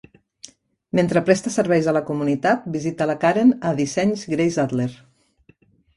Mentre presta serveis a la comunitat, visita la Karen a Dissenys Grace Adler.